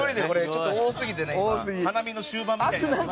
ちょっと多すぎてね花見の終盤みたいになってる。